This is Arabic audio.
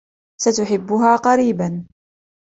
ستحبها قريبا.